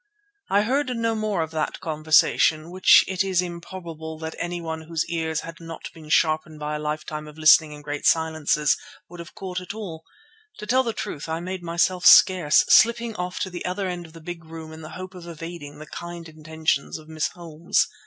I heard no more of that conversation, which it is improbable that anyone whose ears had not been sharpened by a lifetime of listening in great silences would have caught at all. To tell the truth, I made myself scarce, slipping off to the other end of the big room in the hope of evading the kind intentions of Miss Holmes.